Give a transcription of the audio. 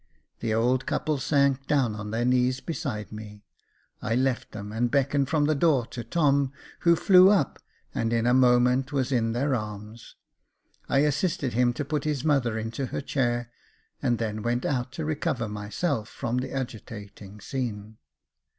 The old couple sank down on their knees beside me. I left them, and beckoned from the door to Tom, who flew up, and in a moment was in their armsc I assisted him to put his mother into her chair, and then went out to recover myself from the agitating scene.